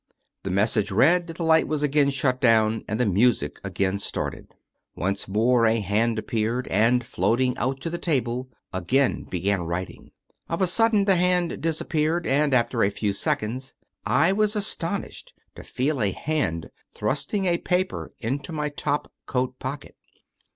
The mes sage read, the light was again shut down and the music again started. Once more a hand appeared, and floating out to the table, again began writing. Of a sudden the hand disappeared, and, after a few seconds, I was astonished to feel a hand thrusting a paper into my top coat pocket.